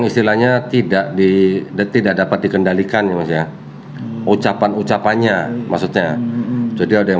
istilahnya tidak di tidak dapat dikendalikan ya mas ya ucapan ucapannya maksudnya jadi ada yang